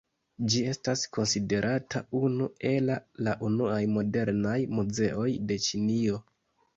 Ĝi estas konsiderata unu ela la unuaj modernaj muzeoj de Ĉinio.